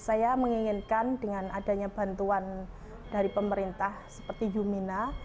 saya menginginkan dengan adanya bantuan dari pemerintah seperti yumina